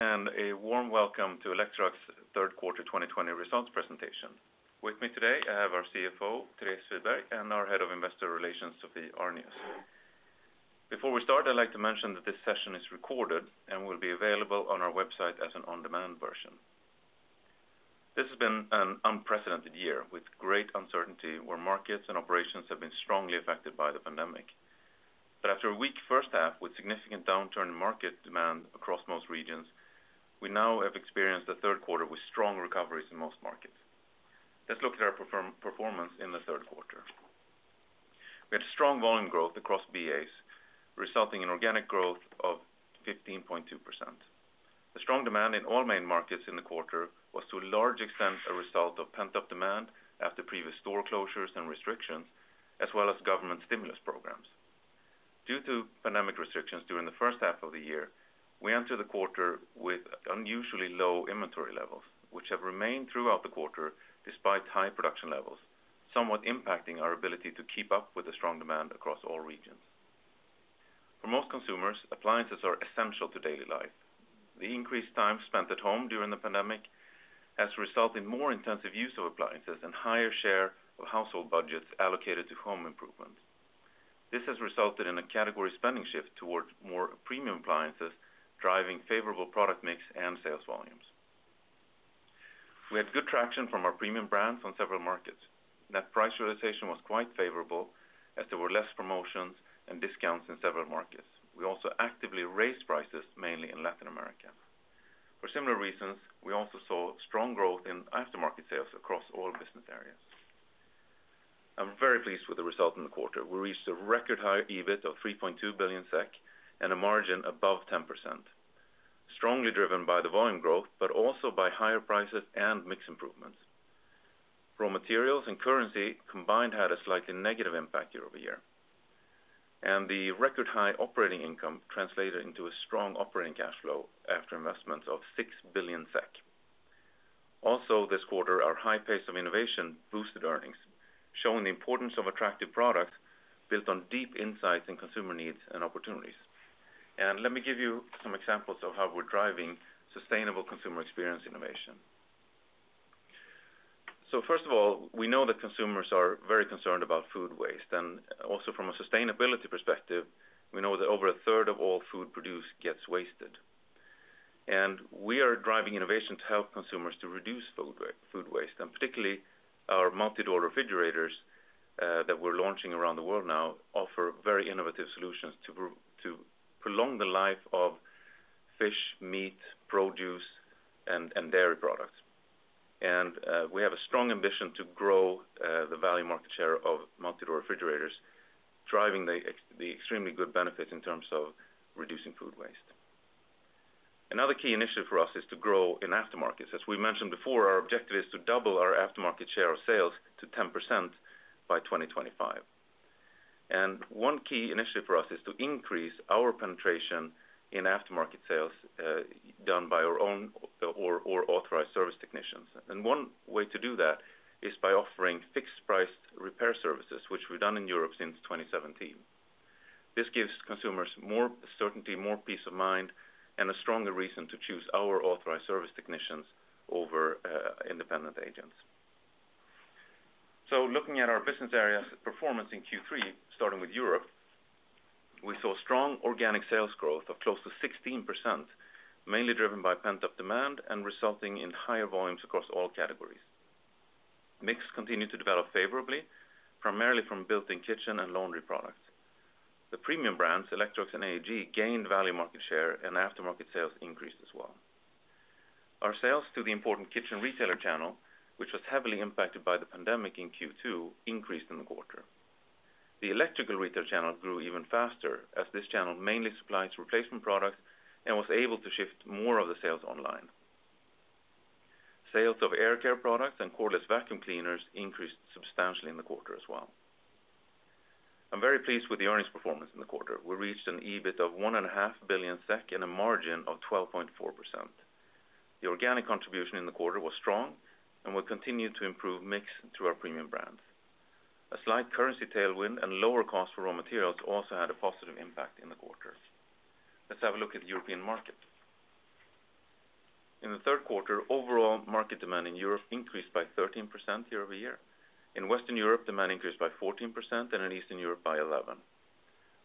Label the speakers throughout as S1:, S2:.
S1: A warm welcome to Electrolux third quarter 2020 results presentation. With me today, I have our CFO, Therese Friberg, and our Head of Investor Relations, Sophie Arnius. Before we start, I'd like to mention that this session is recorded and will be available on our website as an on-demand version. This has been an unprecedented year with great uncertainty where markets and operations have been strongly affected by the pandemic. After a weak first half with significant downturn in market demand across most regions, we now have experienced a third quarter with strong recoveries in most markets. Let's look at our performance in the third quarter. We had strong volume growth across BAs, resulting in organic growth of 15.2%. The strong demand in all main markets in the quarter was to a large extent a result of pent-up demand after previous store closures and restrictions, as well as government stimulus programs. Due to pandemic restrictions during the first half of the year, we entered the quarter with unusually low inventory levels, which have remained throughout the quarter despite high production levels, somewhat impacting our ability to keep up with the strong demand across all regions. For most consumers, appliances are essential to daily life. The increased time spent at home during the pandemic has resulted in more intensive use of appliances and higher share of household budgets allocated to home improvements. This has resulted in a category spending shift towards more premium appliances, driving favorable product mix and sales volumes. We had good traction from our premium brands on several markets. Net price realization was quite favorable as there were less promotions and discounts in several markets. We also actively raised prices mainly in Latin America. For similar reasons, we also saw strong growth in aftermarket sales across all business areas. I am very pleased with the result in the quarter. We reached a record high EBIT of 3.2 billion SEK and a margin above 10%, strongly driven by the volume growth, but also by higher prices and mix improvements. Raw materials and currency combined had a slightly negative impact year-over-year. The record high operating income translated into a strong operating cash flow after investments of 6 billion SEK. Also, this quarter, our high pace of innovation boosted earnings, showing the importance of attractive products built on deep insights in consumer needs and opportunities. Let me give you some examples of how we are driving sustainable consumer experience innovation. First of all, we know that consumers are very concerned about food waste, and also from a sustainability perspective, we know that over a third of all food produced gets wasted. We are driving innovation to help consumers to reduce food waste. Particularly, our multi-door refrigerators, that we're launching around the world now, offer very innovative solutions to prolong the life of fish, meat, produce, and dairy products. We have a strong ambition to grow the value market share of multi-door refrigerators, driving the extremely good benefits in terms of reducing food waste. Another key initiative for us is to grow in aftermarkets. As we mentioned before, our objective is to double our aftermarket share of sales to 10% by 2025. One key initiative for us is to increase our penetration in aftermarket sales done by our own or authorized service technicians. One way to do that is by offering fixed price repair services, which we've done in Europe since 2017. This gives consumers more certainty, more peace of mind, and a stronger reason to choose our authorized service technicians over independent agents. Looking at our business areas performance in Q3, starting with Europe, we saw strong organic sales growth of close to 16%, mainly driven by pent-up demand and resulting in higher volumes across all categories. Mix continued to develop favorably, primarily from built-in kitchen and laundry products. The premium brands, Electrolux and AEG, gained value market share and aftermarket sales increased as well. Our sales to the important kitchen retailer channel, which was heavily impacted by the pandemic in Q2, increased in the quarter. The electrical retail channel grew even faster as this channel mainly supplies replacement products and was able to shift more of the sales online. Sales of air care products and cordless vacuum cleaners increased substantially in the quarter as well. I'm very pleased with the earnings performance in the quarter. We reached an EBIT of 1.5 billion SEK and a margin of 12.4%. The organic contribution in the quarter was strong and will continue to improve mix through our premium brands. A slight currency tailwind and lower cost for raw materials also had a positive impact in the quarter. Let's have a look at European market. In the third quarter, overall market demand in Europe increased by 13% year-over-year. In Western Europe, demand increased by 14% and in Eastern Europe by 11%.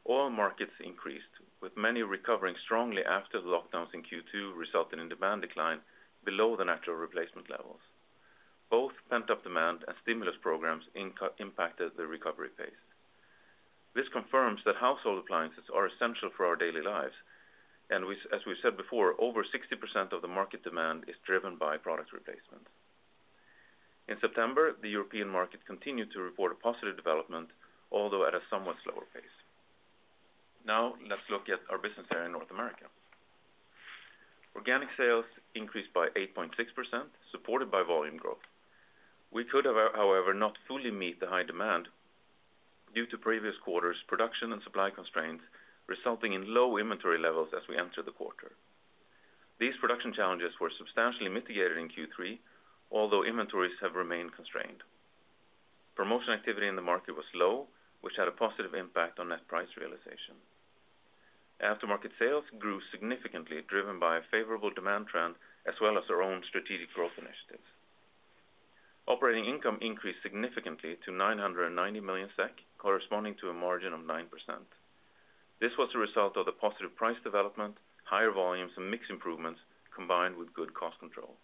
S1: All markets increased, with many recovering strongly after the lockdowns in Q2 resulting in demand decline below the natural replacement levels. Both pent-up demand and stimulus programs impacted the recovery pace. This confirms that household appliances are essential for our daily lives, and as we've said before, over 60% of the market demand is driven by product replacement. In September, the European market continued to report a positive development, although at a somewhat slower pace. Now, let's look at our business area in North America. Organic sales increased by 8.6%, supported by volume growth. We could, however, not fully meet the high demand due to previous quarters' production and supply constraints, resulting in low inventory levels as we enter the quarter. These production challenges were substantially mitigated in Q3, although inventories have remained constrained. Promotion activity in the market was low, which had a positive impact on net price realization. Aftermarket sales grew significantly, driven by a favorable demand trend, as well as our own strategic growth initiatives. Operating income increased significantly to 990 million SEK, corresponding to a margin of 9%. This was a result of the positive price development, higher volumes, and mix improvements, combined with good cost control.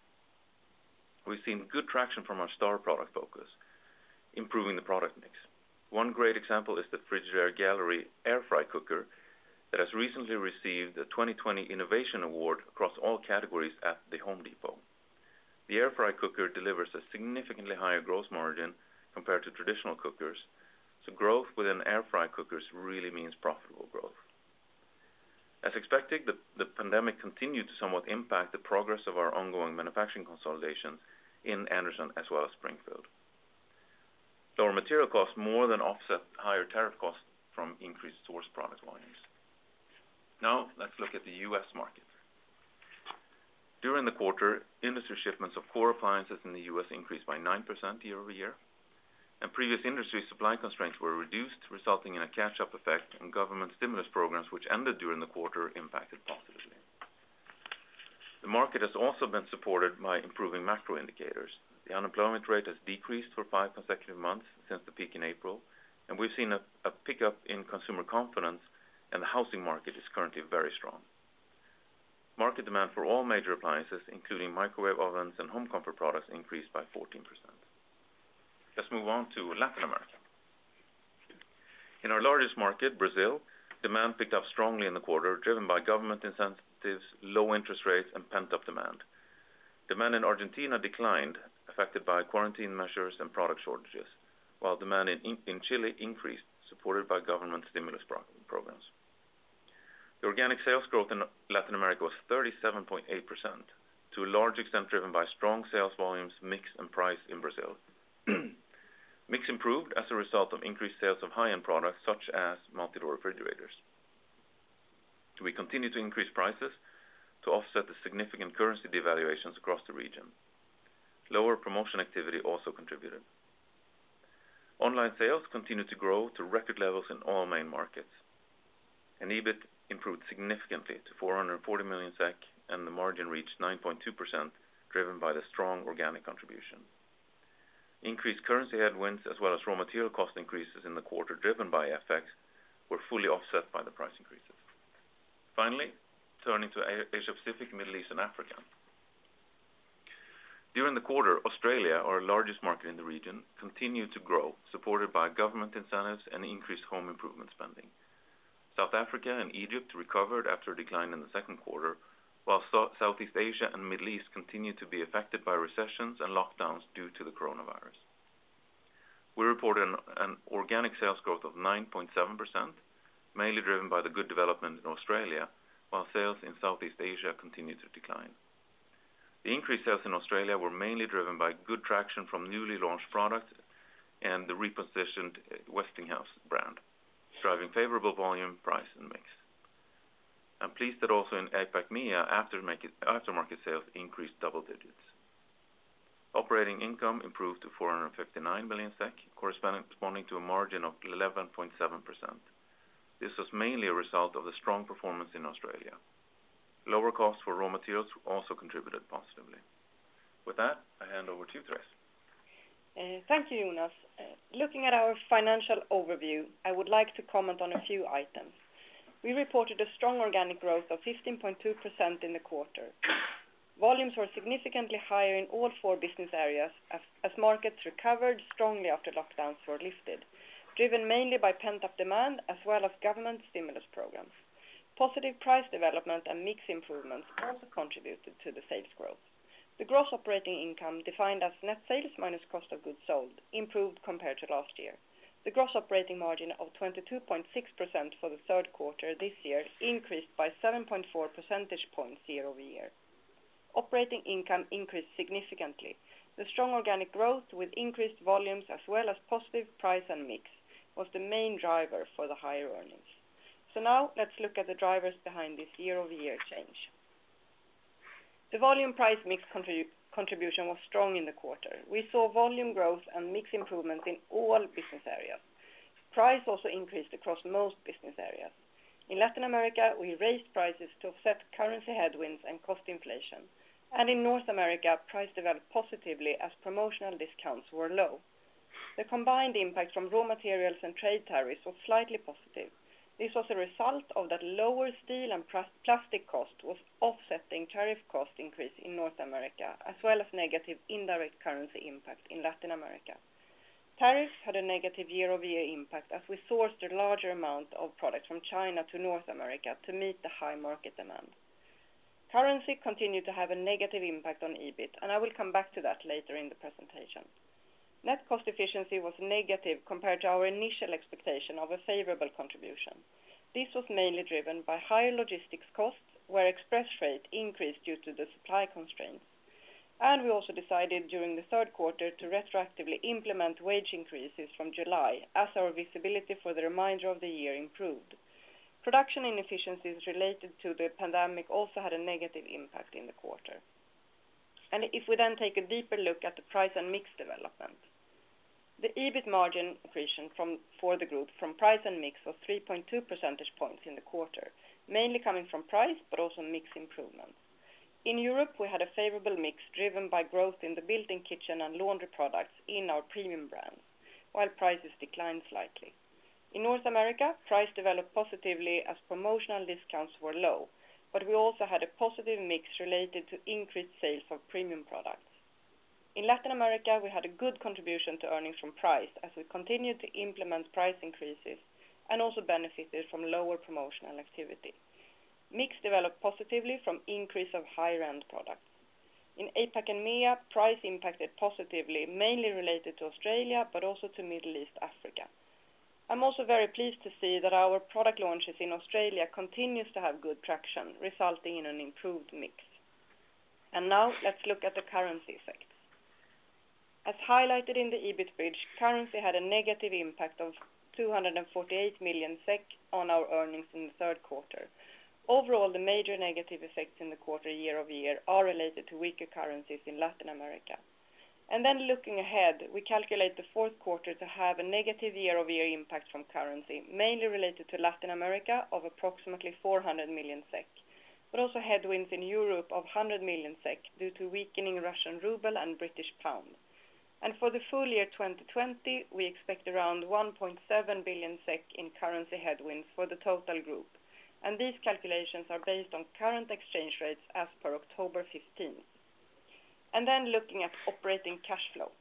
S1: We've seen good traction from our star product focus, improving the product mix. One great example is the Frigidaire Gallery air fry cooker that has recently received a 2020 Innovation Award across all categories at The Home Depot. The air fry cooker delivers a significantly higher gross margin compared to traditional cookers. Growth within air fry cookers really means profitable growth. As expected, the pandemic continued to somewhat impact the progress of our ongoing manufacturing consolidations in Anderson as well as Springfield. Lower material costs more than offset higher tariff costs from increased sourced product volumes. Let's look at the U.S. market. During the quarter, industry shipments of core appliances in the U.S. increased by 9% year-over-year, and previous industry supply constraints were reduced, resulting in a catch-up effect, and government stimulus programs, which ended during the quarter, impacted positively. The market has also been supported by improving macro indicators. The unemployment rate has decreased for five consecutive months since the peak in April, and we've seen a pick-up in consumer confidence, and the housing market is currently very strong. Market demand for all major appliances, including microwave ovens and home comfort products, increased by 14%. Let's move on to Latin America. In our largest market, Brazil, demand picked up strongly in the quarter, driven by government incentives, low interest rates, and pent-up demand. Demand in Argentina declined, affected by quarantine measures and product shortages, while demand in Chile increased, supported by government stimulus programs. The organic sales growth in Latin America was 37.8%, to a large extent driven by strong sales volumes, mix, and price in Brazil. Mix improved as a result of increased sales of high-end products, such as multi-door refrigerators. We continue to increase prices to offset the significant currency devaluations across the region. Lower promotion activity also contributed. Online sales continued to grow to record levels in all main markets, and EBIT improved significantly to 440 million SEK, and the margin reached 9.2%, driven by the strong organic contribution. Increased currency headwinds, as well as raw material cost increases in the quarter driven by FX, were fully offset by the price increases. Finally, turning to Asia-Pacific, Middle East, and Africa. During the quarter, Australia, our largest market in the region, continued to grow, supported by government incentives and increased home improvement spending. South Africa and Egypt recovered after a decline in the second quarter, while Southeast Asia and Middle East continued to be affected by recessions and lockdowns due to the coronavirus. We reported an organic sales growth of 9.7%, mainly driven by the good development in Australia, while sales in Southeast Asia continued to decline. The increased sales in Australia were mainly driven by good traction from newly launched products and the repositioned Westinghouse brand, driving favorable volume, price, and mix. I'm pleased that also in APAC/MEA, aftermarket sales increased double digits. Operating income improved to 459 million SEK, corresponding to a margin of 11.7%. This was mainly a result of the strong performance in Australia. Lower costs for raw materials also contributed positively. With that, I hand over to Therese.
S2: Thank you, Jonas. Looking at our financial overview, I would like to comment on a few items. We reported a strong organic growth of 15.2% in the quarter. Volumes were significantly higher in all four business areas as markets recovered strongly after lockdowns were lifted, driven mainly by pent-up demand as well as government stimulus programs. Positive price development and mix improvements also contributed to the sales growth. The gross operating income, defined as net sales minus cost of goods sold, improved compared to last year. The gross operating margin of 22.6% for the third quarter this year increased by 7.4 percentage points year-over-year. Operating income increased significantly. The strong organic growth with increased volumes as well as positive price and mix was the main driver for the higher earnings. Now let's look at the drivers behind this year-over-year change. The volume price mix contribution was strong in the quarter. We saw volume growth and mix improvements in all business areas. Price also increased across most business areas. In Latin America, we raised prices to offset currency headwinds and cost inflation. In North America, price developed positively as promotional discounts were low. The combined impact from raw materials and trade tariffs was slightly positive. This was a result of that lower steel and plastic cost was offsetting tariff cost increase in North America, as well as negative indirect currency impact in Latin America. Tariffs had a negative year-over-year impact as we sourced a larger amount of product from China to North America to meet the high market demand. Currency continued to have a negative impact on EBIT. I will come back to that later in the presentation. Net cost efficiency was negative compared to our initial expectation of a favorable contribution. This was mainly driven by higher logistics costs, where express freight increased due to the supply constraints. We also decided during the third quarter to retroactively implement wage increases from July as our visibility for the remainder of the year improved. Production inefficiencies related to the pandemic also had a negative impact in the quarter. If we then take a deeper look at the price and mix development, the EBIT margin accretion for the Group from price and mix was 3.2 percentage points in the quarter, mainly coming from price, but also mix improvements. In Europe, we had a favorable mix driven by growth in the built-in kitchen and laundry products in our premium brands, while prices declined slightly. In North America, price developed positively as promotional discounts were low, but we also had a positive mix related to increased sales of premium products. In Latin America, we had a good contribution to earnings from price as we continued to implement price increases and also benefited from lower promotional activity. Mix developed positively from increase of higher end products. In APAC and MEA, price impacted positively, mainly related to Australia, but also to Middle East Africa. I'm also very pleased to see that our product launches in Australia continues to have good traction, resulting in an improved mix. Now let's look at the currency effect. As highlighted in the EBIT bridge, currency had a negative impact of 248 million SEK on our earnings in the third quarter. Overall, the major negative effects in the quarter year-over-year are related to weaker currencies in Latin America. Looking ahead, we calculate the fourth quarter to have a negative year-over-year impact from currency, mainly related to Latin America of approximately 400 million SEK, but also headwinds in Europe of 100 million SEK due to weakening Russian ruble and British pound. For the full year 2020, we expect around 1.7 billion SEK in currency headwinds for the total Group, and these calculations are based on current exchange rates as per October 15th. Looking at operating cash flow.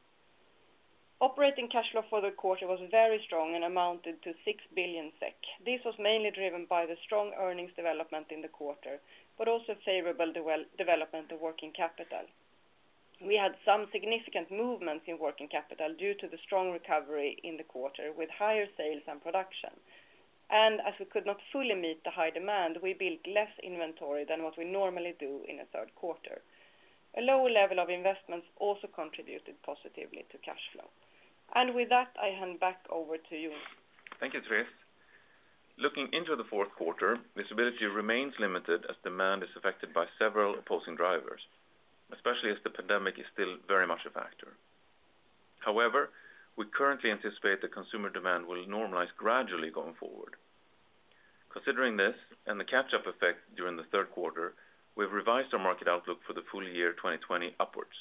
S2: Operating cash flow for the quarter was very strong and amounted to 6 billion SEK. This was mainly driven by the strong earnings development in the quarter, but also favorable development of working capital. We had some significant movements in working capital due to the strong recovery in the quarter with higher sales and production. As we could not fully meet the high demand, we built less inventory than what we normally do in a third quarter. A lower level of investments also contributed positively to cash flow. With that, I hand back over to you.
S1: Thank you, Therese. Looking into the fourth quarter, visibility remains limited as demand is affected by several opposing drivers, especially as the pandemic is still very much a factor. However, we currently anticipate that consumer demand will normalize gradually going forward. Considering this and the catch-up effect during the third quarter, we've revised our market outlook for the full year 2020 upwards.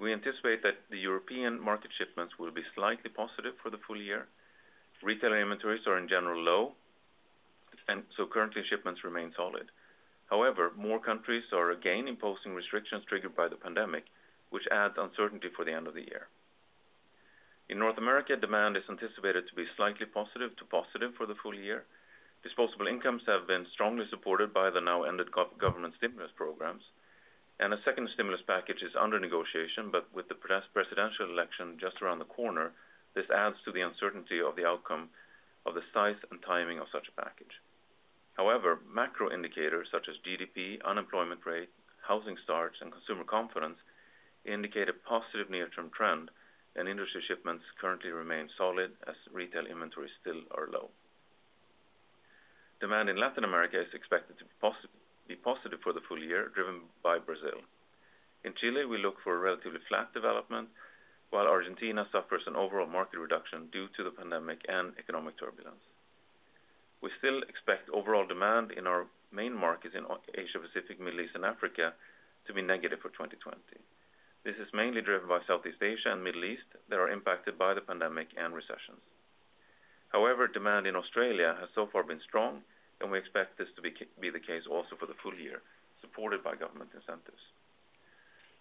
S1: We anticipate that the European market shipments will be slightly positive for the full year. Retail inventories are in general low. Currently shipments remain solid. However, more countries are again imposing restrictions triggered by the pandemic, which adds uncertainty for the end of the year. In North America, demand is anticipated to be slightly positive to positive for the full year. Disposable incomes have been strongly supported by the now ended government stimulus programs, and a second stimulus package is under negotiation, but with the presidential election just around the corner, this adds to the uncertainty of the outcome of the size and timing of such a package. However, macro indicators such as GDP, unemployment rate, housing starts, and consumer confidence indicate a positive near-term trend, and industry shipments currently remain solid as retail inventories still are low. Demand in Latin America is expected to be positive for the full year, driven by Brazil. In Chile, we look for a relatively flat development, while Argentina suffers an overall market reduction due to the pandemic and economic turbulence. We still expect overall demand in our main markets in Asia, Pacific, Middle East, and Africa to be negative for 2020. This is mainly driven by Southeast Asia and Middle East that are impacted by the pandemic and recessions. However, demand in Australia has so far been strong, and we expect this to be the case also for the full year, supported by government incentives.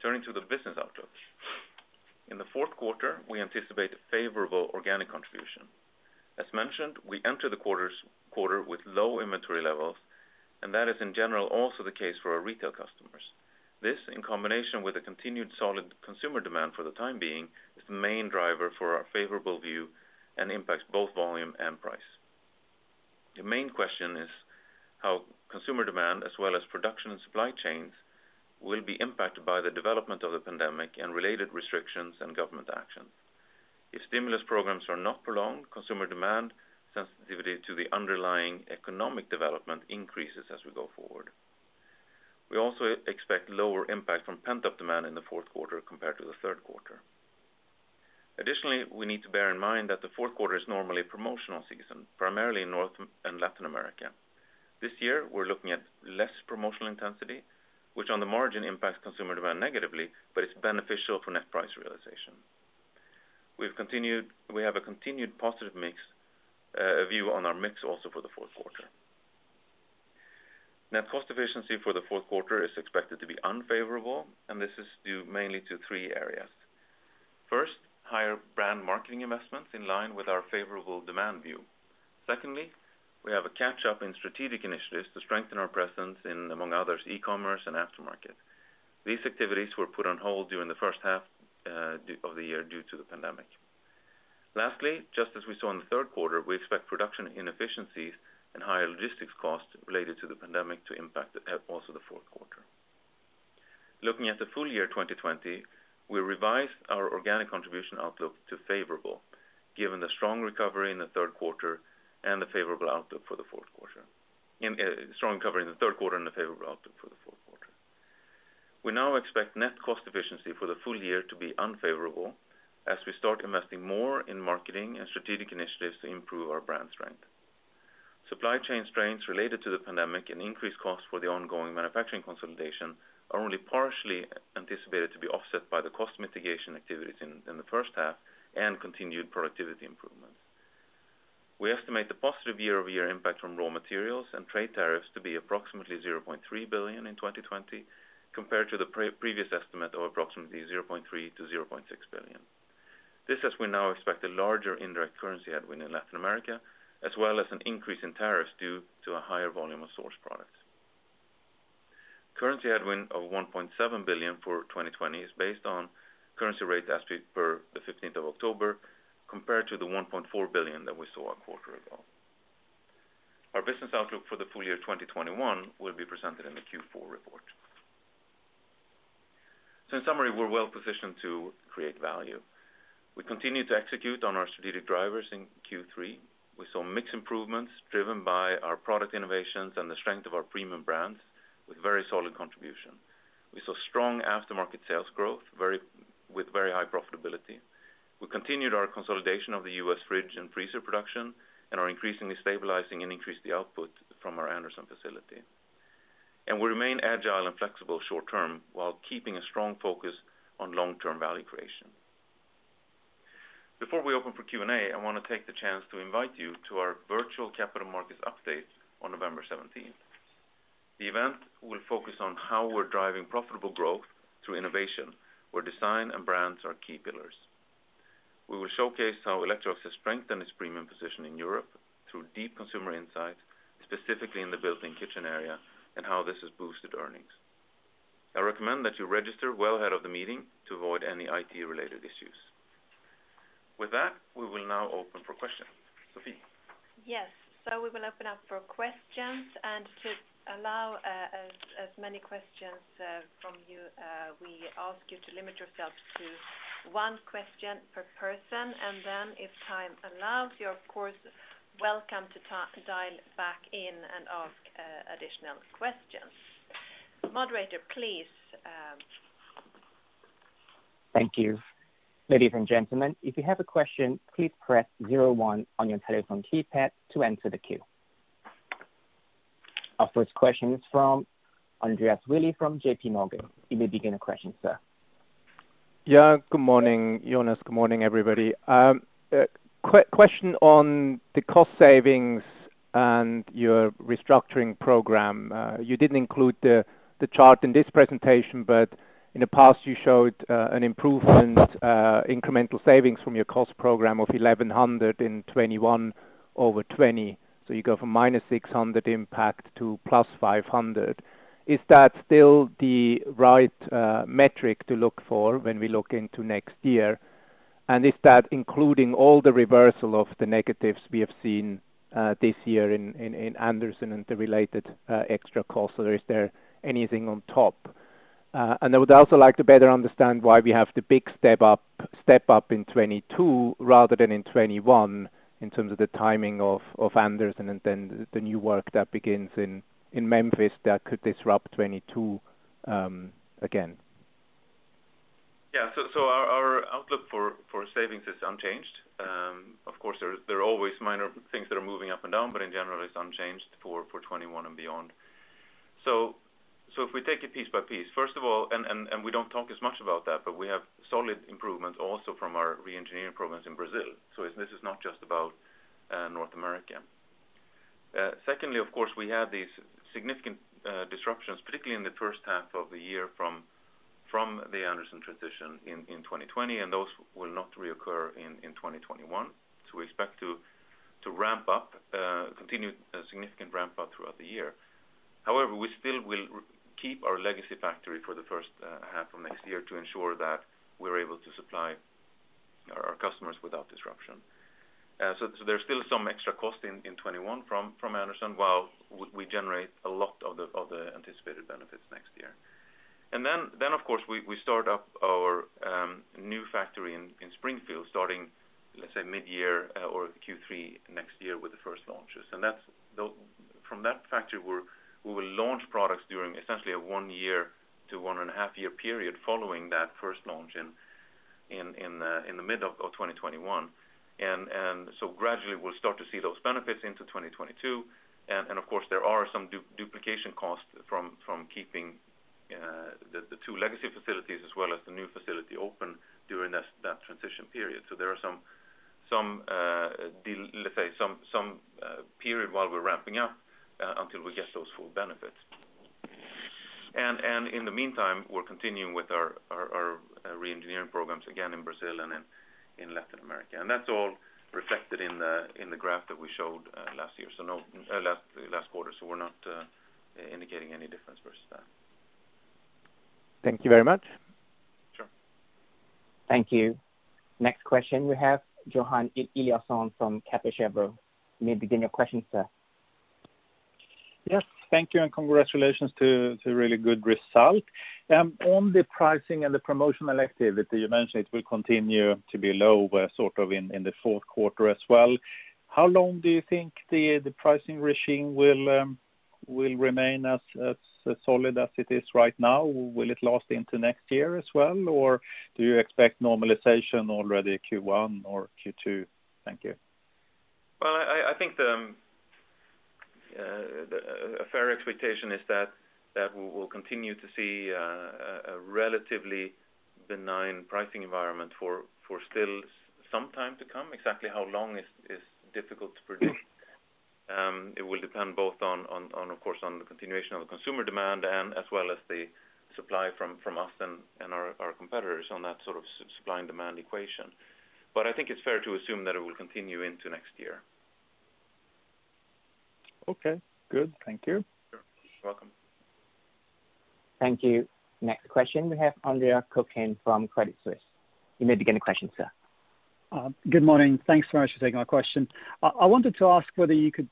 S1: Turning to the business outlook. In the fourth quarter, we anticipate a favorable organic contribution. As mentioned, we enter the quarter with low inventory levels, and that is in general also the case for our retail customers. This, in combination with a continued solid consumer demand for the time being, is the main driver for our favorable view and impacts both volume and price. The main question is how consumer demand, as well as production and supply chains, will be impacted by the development of the pandemic and related restrictions and government actions. If stimulus programs are not prolonged, consumer demand sensitivity to the underlying economic development increases as we go forward. We also expect lower impact from pent-up demand in the fourth quarter compared to the third quarter. Additionally, we need to bear in mind that the fourth quarter is normally a promotional season, primarily in North and Latin America. This year, we're looking at less promotional intensity, which on the margin impacts consumer demand negatively, but it's beneficial for net price realization. We have a continued positive view on our mix also for the fourth quarter. Net cost efficiency for the fourth quarter is expected to be unfavorable. This is due mainly to three areas. First, higher brand marketing investments in line with our favorable demand view. Secondly, we have a catch-up in strategic initiatives to strengthen our presence in, among others, e-commerce and aftermarket. These activities were put on hold during the first half of the year due to the pandemic. Lastly, just as we saw in the third quarter, we expect production inefficiencies and higher logistics costs related to the pandemic to impact also the fourth quarter. Looking at the full year 2020, we revised our organic contribution outlook to favorable, given the strong recovery in the third quarter and the favorable outlook for the fourth quarter. We now expect net cost efficiency for the full year to be unfavorable as we start investing more in marketing and strategic initiatives to improve our brand strength. Supply chain strains related to the pandemic and increased costs for the ongoing manufacturing consolidation are only partially anticipated to be offset by the cost mitigation activities in the first half and continued productivity improvement. We estimate the positive year-over-year impact from raw materials and trade tariffs to be approximately 0.3 billion in 2020, compared to the previous estimate of approximately 0.3 billion-0.6 billion. We now expect a larger indirect currency headwind in Latin America, as well as an increase in tariffs due to a higher volume of sourced products. Currency headwind of 1.7 billion for 2020 is based on currency rate as per the 15th of October, compared to the 1.4 billion that we saw a quarter ago. Our business outlook for the full year 2021 will be presented in the Q4 report. In summary, we're well-positioned to create value. We continue to execute on our strategic drivers in Q3. We saw mix improvements driven by our product innovations and the strength of our premium brands, with very solid contribution. We saw strong aftermarket sales growth with very high profitability. We continued our consolidation of the U.S. fridge and freezer production and are increasingly stabilizing and increase the output from our Anderson facility. We remain agile and flexible short term, while keeping a strong focus on long-term value creation. Before we open for Q&A, I want to take the chance to invite you to our virtual Capital Markets Update on November 17th. The event will focus on how we're driving profitable growth through innovation, where design and brands are key pillars. We will showcase how Electrolux has strengthened its premium position in Europe through deep consumer insights, specifically in the built-in kitchen area, and how this has boosted earnings. I recommend that you register well ahead of the meeting to avoid any IT-related issues. With that, we will now open for questions. Sophie?
S3: Yes. We will open up for questions, and to allow as many questions from you, we ask you to limit yourself to one question per person, and then if time allows, you're of course welcome to dial back in and ask additional questions. Moderator, please.
S4: Thank you. Ladies and gentlemen, if you have a question, please press zero one on your telephone keypad to enter the queue. Our first question is from Andreas Willi, from JPMorgan. You may begin the question, sir.
S5: Yeah, good morning, Jonas. Good morning, everybody. Question on the cost savings and your restructuring program. You didn't include the chart in this presentation. In the past, you showed an improvement, incremental savings from your cost program of 1,100 in 2021 over 2020. You go from -600 impact to +500. Is that still the right metric to look for when we look into next year? Is that including all the reversal of the negatives we have seen this year in Anderson and the related extra costs, or is there anything on top? I would also like to better understand why we have the big step up in 2022 rather than in 2021, in terms of the timing of Anderson and then the new work that begins in Memphis that could disrupt 2022, again.
S1: Yeah. Our outlook for savings is unchanged. Of course, there are always minor things that are moving up and down, but in general, it's unchanged for 2021 and beyond. If we take it piece by piece, first of all, and we don't talk as much about that, but we have solid improvements also from our re-engineering programs in Brazil. Secondly, of course, we have these significant disruptions, particularly in the first half of the year, from the Anderson transition in 2020, and those will not reoccur in 2021. We expect to continue a significant ramp-up throughout the year. However, we still will keep our legacy factory for the first half of next year to ensure that we're able to supply our customers without disruption. There's still some extra cost in 2021 from Anderson, while we generate a lot of the anticipated benefits next year. Of course, we start up our new factory in Springfield starting, let's say mid-year or Q3 next year with the first launches. From that factory, we will launch products during essentially a one year to one and a half year period following that first launch in the mid of 2021. Gradually, we'll start to see those benefits into 2022. Of course, there are some duplication costs from keeping the two legacy facilities as well as the new facility open during that transition period. There are some period while we're ramping up until we get those full benefits. In the meantime, we're continuing with our re-engineering programs again in Brazil and in Latin America. That's all reflected in the graph that we showed last quarter. We're not indicating any difference versus that.
S5: Thank you very much
S4: Thank you. Next question we have Johan Eliason from Kepler Cheuvreux. You may begin your question, sir.
S6: Yes. Thank you, and congratulations to a really good result. On the pricing and the promotional activity, you mentioned it will continue to be low sort of in the fourth quarter as well. How long do you think the pricing regime will remain as solid as it is right now? Will it last into next year as well, or do you expect normalization already Q1 or Q2? Thank you.
S1: Well, I think a fair expectation is that we will continue to see a relatively benign pricing environment for still some time to come. Exactly how long is difficult to predict. It will depend both, of course, on the continuation of the consumer demand and as well as the supply from us and our competitors on that sort of supply and demand equation. I think it's fair to assume that it will continue into next year.
S6: Okay, good. Thank you.
S1: You're welcome.
S4: Thank you. Next question, we have Andre Kukhnin from Credit Suisse. You may begin the question, sir.
S7: Good morning. Thanks very much for taking my question. I wanted to ask whether you could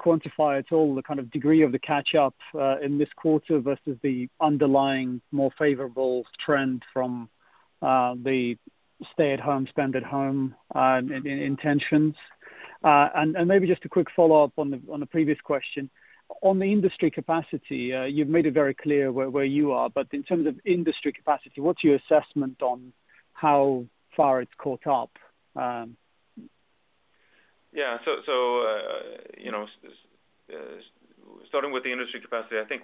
S7: quantify at all the kind of degree of the catch-up in this quarter versus the underlying, more favorable trend from the stay at home, spend at home intentions. Maybe just a quick follow-up on the previous question. On the industry capacity, you've made it very clear where you are, but in terms of industry capacity, what's your assessment on how far it's caught up?
S1: Yeah. Starting with the industry capacity, I think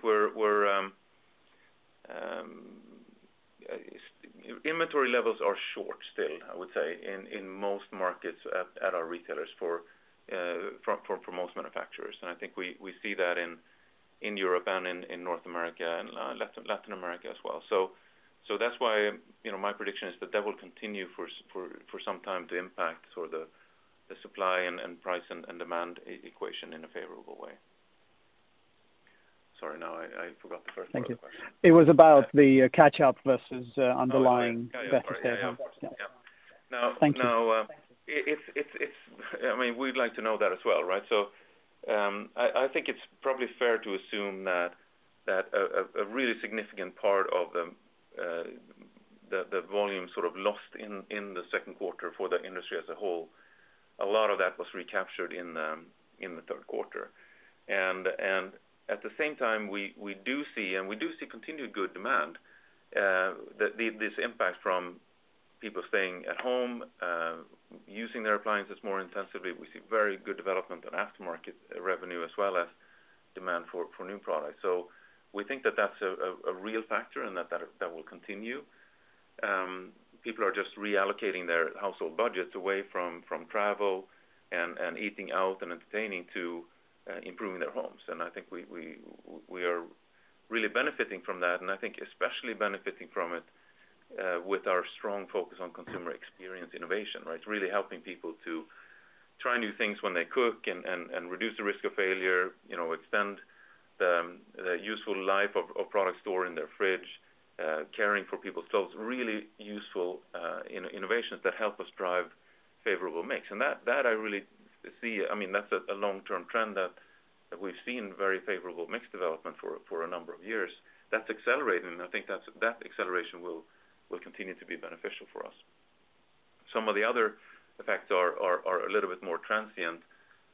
S1: inventory levels are short still, I would say, in most markets at our retailers for most manufacturers. I think we see that in Europe and in North America, and Latin America as well. That's why my prediction is that will continue for some time to impact the supply and price and demand equation in a favorable way. Sorry, now I forgot the first part of the question.
S7: Thank you. It was about the catch-up versus underlying benefits there.
S1: Yeah. Of course.
S7: Thank you.
S1: We'd like to know that as well, right? I think it's probably fair to assume that a really significant part of the volume sort of lost in the second quarter for the industry as a whole, a lot of that was recaptured in the third quarter. At the same time, we do see continued good demand. This impact from people staying at home, using their appliances more intensively. We see very good development in aftermarket revenue as well as demand for new products. We think that that's a real factor and that will continue. People are just reallocating their household budgets away from travel and eating out and entertaining, to improving their homes. I think we are really benefiting from that, and I think especially benefiting from it with our strong focus on consumer experience innovation, right? It's really helping people to try new things when they cook and reduce the risk of failure, extend the useful life of products stored in their fridge, caring for people's stoves, really useful innovations that help us drive favorable mix. That I really see, that's a long-term trend that we've seen very favorable mix development for a number of years. That's accelerating, I think that acceleration will continue to be beneficial for us. Some of the other effects are a little bit more transient,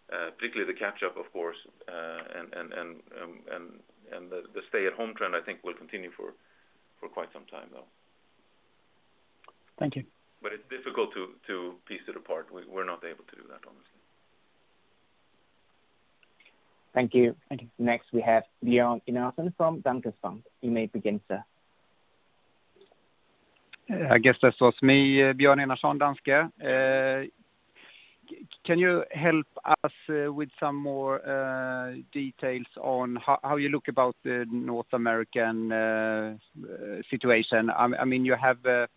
S1: particularly the catch-up, of course, and the stay-at-home trend, I think will continue for quite some time, though.
S7: Thank you.
S1: It's difficult to piece it apart. We're not able to do that, honestly.
S4: Thank you. Next, we have Björn Enarson from Danske Bank. You may begin, sir.
S8: I guess that was me, Björn Enarson, Danske. Can you help us with some more details on how you look about the North American situation? You have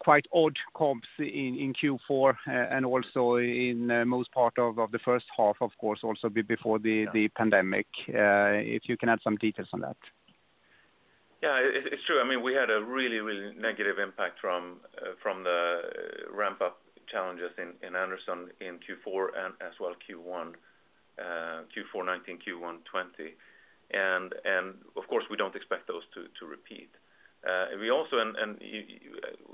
S8: quite odd comps in Q4, and also in most part of the first half, of course, also before the pandemic. If you can add some details on that.
S1: Yeah, it's true. We had a really negative impact from the ramp-up challenges in Anderson in Q4 and as well Q1. Q4 2019, Q1 2020. Of course we don't expect those to repeat.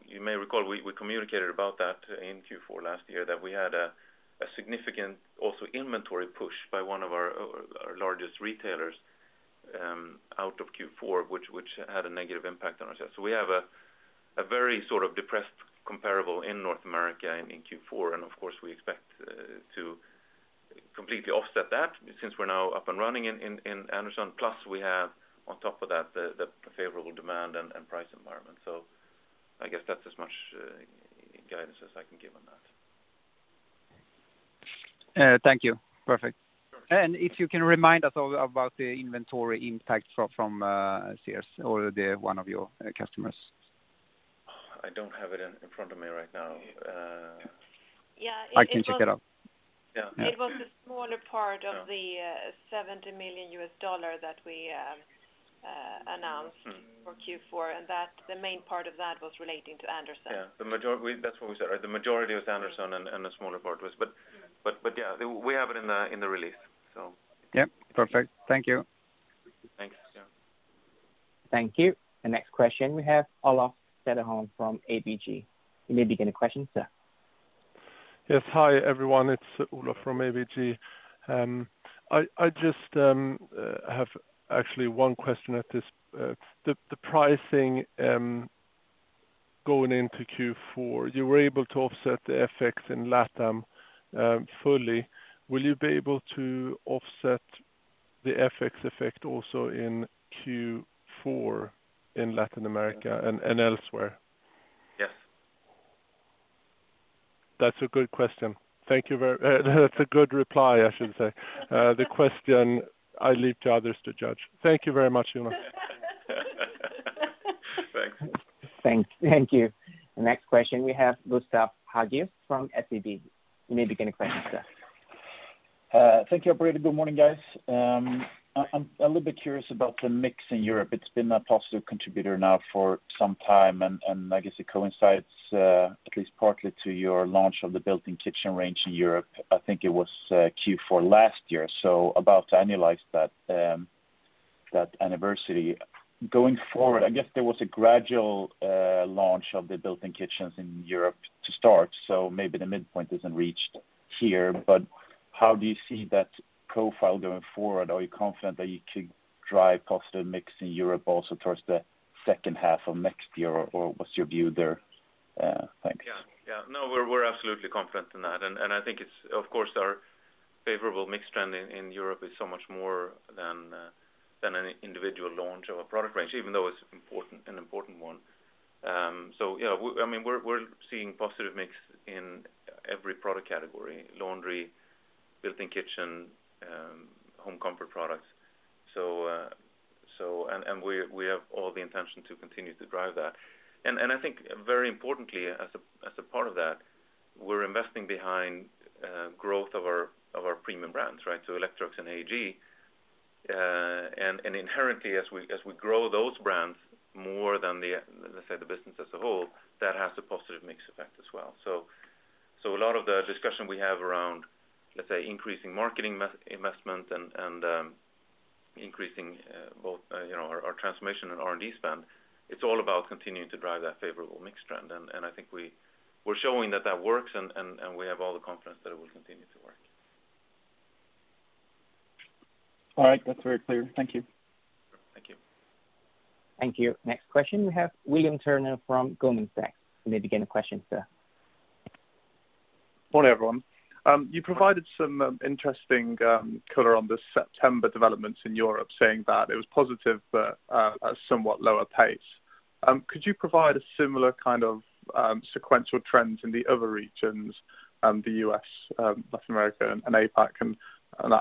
S1: You may recall, we communicated about that in Q4 last year that we had a significant also inventory push by one of our largest retailers out of Q4, which had a negative impact on our sales. We have a very sort of depressed comparable in North America and in Q4, and of course we expect to completely offset that since we're now up and running in Anderson. Plus we have on top of that, the favorable demand and price environment. I guess that's as much guidance as I can give on that.
S8: Thank you. Perfect. If you can remind us all about the inventory impact from Sears or one of your customers?
S1: I don't have it in front of me right now. I can check it out.
S3: It was a smaller part of the $70 million that we announced for Q4, and the main part of that was relating to Anderson.
S1: Yeah. That's what we said, right? The majority was Anderson, and the smaller part was- Yeah, we have it in the release.
S8: Yep. Perfect. Thank you.
S1: Thanks.
S4: Thank you. The next question we have Olof Cederholm from ABG. You may begin the question, sir.
S9: Yes. Hi, everyone. It's Olof from ABG. I just have actually one question at this. The pricing going into Q4, you were able to offset the FX in LATAM fully. Will you be able to offset the FX effect also in Q4 in Latin America and elsewhere?
S1: Yes.
S9: That's a good question. That's a good reply, I should say. The question I leave to others to judge. Thank you very much, Jonas.
S1: Thanks.
S4: Thank you. Next question, we have Gustav Hagéus from SEB. You may begin the question, sir.
S10: Thank you, operator. Good morning, guys. I'm a little bit curious about the mix in Europe. It's been a positive contributor now for some time, and I guess it coincides at least partly to your launch of the built-in kitchen range in Europe. I think it was Q4 last year, so about to annualize that anniversary. Going forward, I guess there was a gradual launch of the built-in kitchens in Europe to start, so maybe the midpoint isn't reached here, but how do you see that profile going forward? Are you confident that you could drive positive mix in Europe also towards the second half of next year? What's your view there? Thanks.
S1: No, we're absolutely confident in that. I think it's of course, our favorable mix trend in Europe is so much more than any individual launch of a product range, even though it's an important one. We're seeing positive mix in every product category, laundry, built-in kitchen, home comfort products. We have all the intention to continue to drive that. I think very importantly, as a part of that, we're investing behind growth of our premium brands, right? Electrolux and AEG, inherently as we grow those brands more than the, let's say, the business as a whole, that has a positive mix effect as well. A lot of the discussion we have around, let's say, increasing marketing investment and increasing both our transformation and R&D spend, it's all about continuing to drive that favorable mix trend. I think we're showing that that works, and we have all the confidence that it will continue to work.
S10: All right. That's very clear. Thank you.
S1: Thank you.
S4: Thank you. Next question, we have William Turner from Goldman Sachs. You may begin the question, sir.
S11: Morning, everyone. You provided some interesting color on the September developments in Europe, saying that it was positive, but at a somewhat lower pace. Could you provide a similar kind of sequential trend in the other regions, the U.S., Latin America, and APAC, and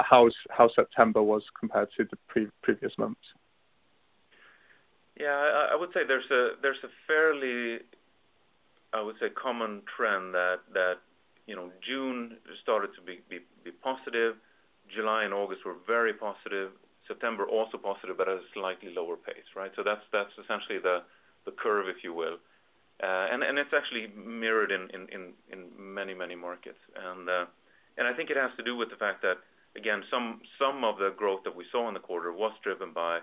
S11: how September was compared to the previous months?
S1: I would say there's a fairly, I would say, common trend that June started to be positive. July and August were very positive. September, also positive, but at a slightly lower pace. That's essentially the curve, if you will. It's actually mirrored in many markets. I think it has to do with the fact that, again, some of the growth that we saw in the quarter was driven by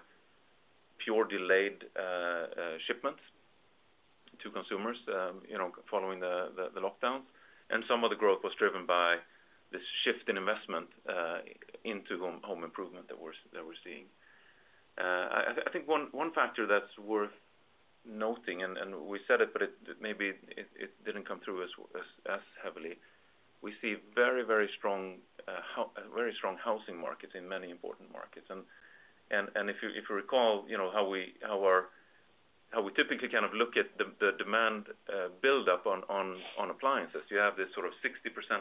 S1: pure delayed shipments to consumers following the lockdowns. Some of the growth was driven by this shift in investment into home improvement that we're seeing. I think one factor that's worth noting, and we said it, but maybe it didn't come through as heavily. We see very strong housing markets in many important markets. If you recall how we typically look at the demand buildup on appliances, you have this 60%+,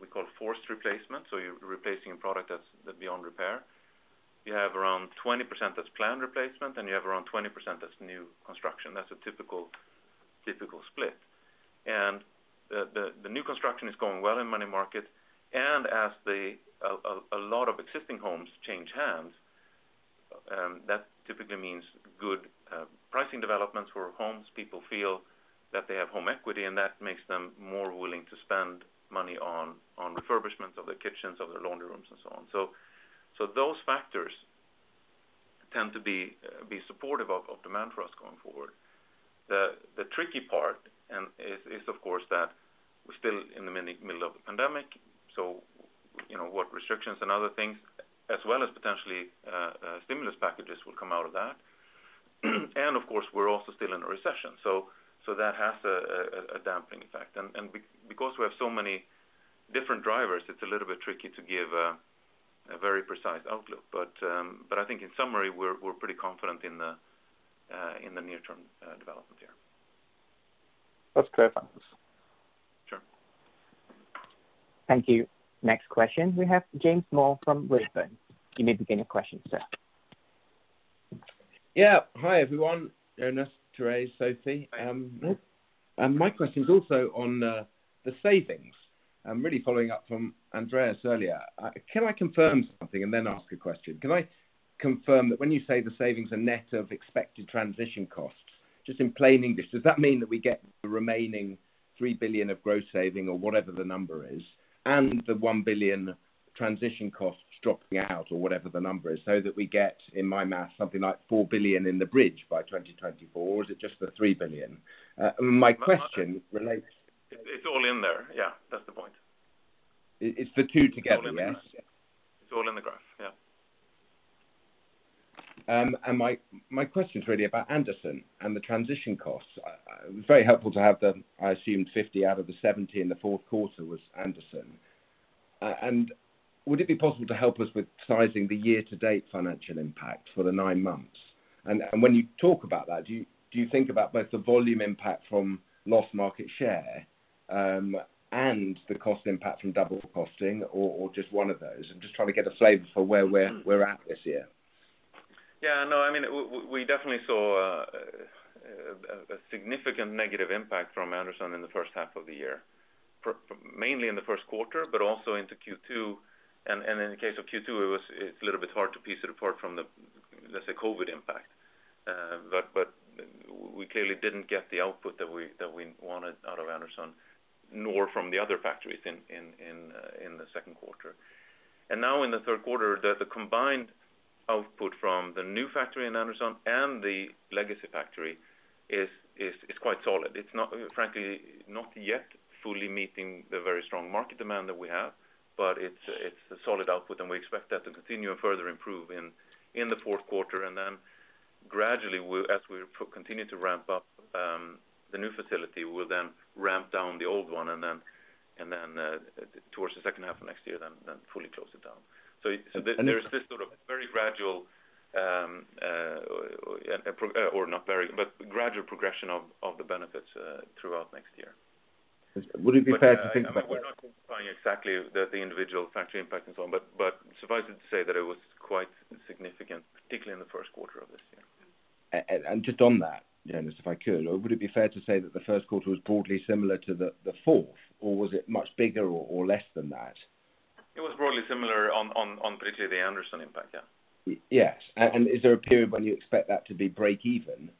S1: we call forced replacement, so you're replacing a product that's beyond repair. You have around 20% that's planned replacement, and you have around 20% that's new construction. That's a typical split. The new construction is going well in many markets. As a lot of existing homes change hands, that typically means good pricing developments for homes. People feel that they have home equity, and that makes them more willing to spend money on refurbishment of their kitchens, of their laundry rooms, and so on. Those factors tend to be supportive of demand for us going forward. The tricky part is, of course, that we're still in the middle of a pandemic, so what restrictions and other things, as well as potentially stimulus packages will come out of that. Of course, we're also still in a recession, so that has a damping effect. Because we have so many different drivers, it's a little bit tricky to give a very precise outlook. I think in summary, we're pretty confident in the near-term development here.
S11: That's clear. Thanks.
S1: Sure.
S4: Thank you. Next question, we have James Moore from Redburn. You may begin your question, sir.
S12: Yeah. Hi, everyone. Jonas, Therese, Sophie. My question is also on the savings. I'm really following up from Andreas earlier. Can I confirm something and then ask a question? Can I confirm that when you say the savings are net of expected transition costs, just in plain English, does that mean that we get the remaining 3 billion of gross saving or whatever the number is, and the 1 billion transition costs dropping out or whatever the number is, so that we get, in my math, something like 4 billion in the bridge by 2024? Is it just the 3 billion? My question relates-
S1: It's all in there. Yeah, that's the point.
S12: It's the two together, yes?
S1: It's all in the graph. Yeah.
S12: My question's really about Anderson and the transition costs. Very helpful to have the, I assume, 50 out of the 70 in the fourth quarter was Anderson. Would it be possible to help us with sizing the year-to-date financial impact for the nine months? When you talk about that, do you think about both the volume impact from lost market share, and the cost impact from double costing, or just one of those? I'm just trying to get a flavor for where we're at this year.
S1: No, we definitely saw a significant negative impact from Anderson in the first half of the year, mainly in the first quarter, but also into Q2. In the case of Q2, it's a little bit hard to piece it apart from the, let's say, COVID impact. We clearly didn't get the output that we wanted out of Anderson, nor from the other factories in the second quarter. Now in the third quarter, the combined output from the new factory in Anderson and the legacy factory is quite solid. It's frankly, not yet fully meeting the very strong market demand that we have, but it's a solid output, and we expect that to continue and further improve in the fourth quarter, and then gradually, as we continue to ramp up the new facility, we'll then ramp down the old one, and then towards the second half of next year, then fully close it down. There is this sort of very gradual, or not very, but gradual progression of the benefits, throughout next year.
S12: Would it be fair to think that-
S1: We're not specifying exactly the individual factory impact and so on, but suffice it to say that it was quite significant, particularly in the first quarter of this year.
S12: Just on that, Jonas, if I could. Would it be fair to say that the first quarter was broadly similar to the fourth, or was it much bigger or less than that?
S1: It was broadly similar on pretty the Anderson impact. Yeah.
S12: Yes. Is there a period when you expect that to be break even,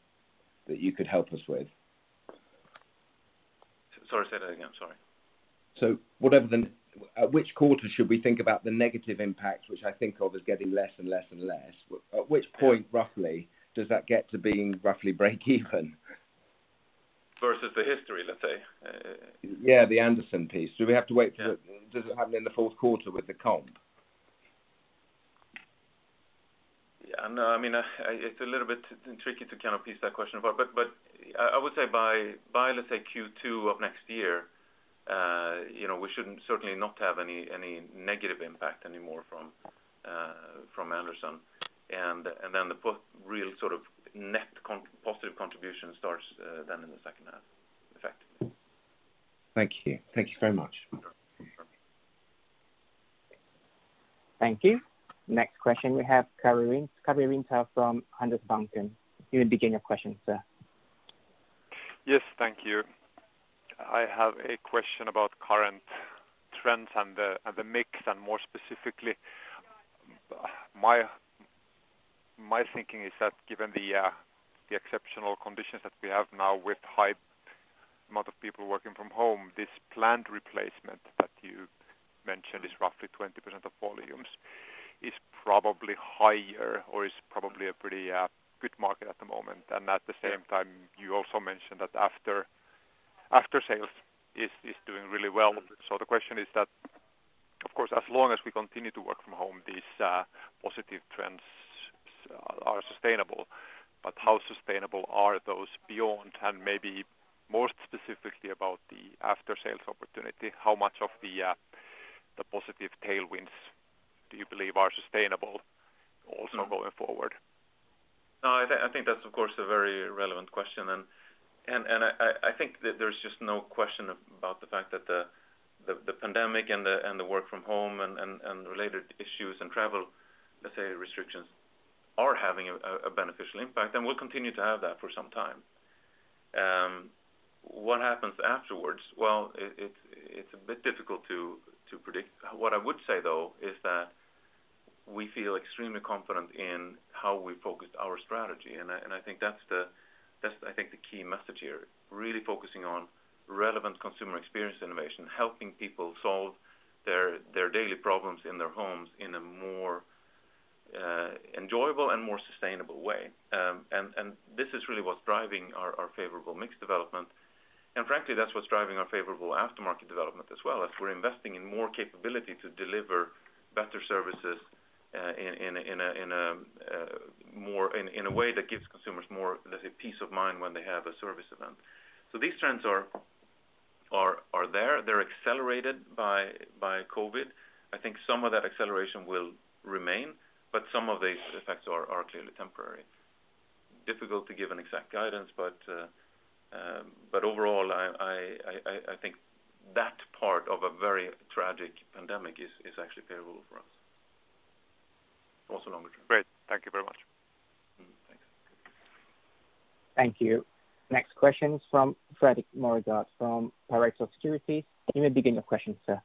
S12: that you could help us with?
S1: Sorry, say that again. Sorry.
S12: At which quarter should we think about the negative impacts, which I think of as getting less and less. At which point, roughly, does that get to being roughly break even?
S1: Versus the history, let's say?
S12: Yeah, the Anderson piece. Do we have to wait for it? Does it happen in the fourth quarter with the comp?
S1: No. It's a little bit tricky to kind of piece that question apart, but I would say by, let's say Q2 of next year, we should certainly not have any negative impact anymore from Anderson. The real sort of net positive contribution starts then in the second half, effectively.
S12: Thank you. Thank you very much.
S4: Thank you. Next question, we have Karri Rinta from Handelsbanken. You can begin your question, sir.
S13: Yes, thank you. I have a question about current trends and the mix, more specifically, my thinking is that given the exceptional conditions that we have now with high amount of people working from home, this planned replacement that you mentioned is roughly 20% of volumes, is probably higher or is probably a pretty good market at the moment. At the same time, you also mentioned that after sales is doing really well. The question is that, of course, as long as we continue to work from home, these positive trends are sustainable, how sustainable are those beyond, maybe most specifically about the after-sales opportunity, how much of the positive tailwinds do you believe are sustainable also going forward?
S1: No, I think that's, of course, a very relevant question. I think that there's just no question about the fact that the pandemic and the work from home and related issues and travel, let's say, restrictions are having a beneficial impact, and will continue to have that for some time. What happens afterwards? Well, it's a bit difficult to predict. What I would say, though, is that we feel extremely confident in how we focused our strategy. I think that's the key message here. Really focusing on relevant consumer experience innovation, helping people solve their daily problems in their homes in a more enjoyable and more sustainable way. This is really what's driving our favorable mix development, and frankly, that's what's driving our favorable aftermarket development as well, as we're investing in more capability to deliver better services in a way that gives consumers more, let's say, peace of mind when they have a service event. These trends are there. They're accelerated by COVID. I think some of that acceleration will remain, but some of the effects are clearly temporary. Difficult to give an exact guidance, but overall, I think that part of a very tragic pandemic is actually favorable for us, also longer term.
S13: Great. Thank you very much.
S1: Thanks.
S4: Thank you. Next question from Fredrik Moregård from Pareto Securities. You may begin your question, sir.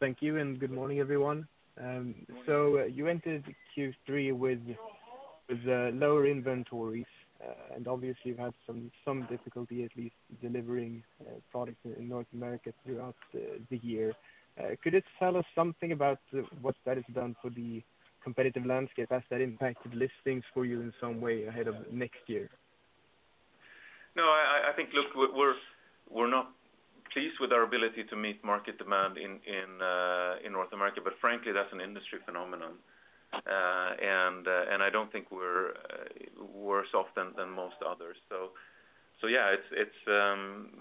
S14: Thank you, and good morning, everyone. You entered Q3 with lower inventories, and obviously you've had some difficulty at least delivering products in North America throughout the year. Could you tell us something about what that has done for the competitive landscape? Has that impacted listings for you in some way ahead of next year?
S1: I think, look, we're not pleased with our ability to meet market demand in North America. Frankly, that's an industry phenomenon. I don't think we're worse off than most others. Yeah,